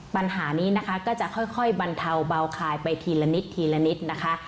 ปัญหานี้นะคะก็จะค่อยบรรเทาเบาคายไปทีละนิดทีละนิดนะคะ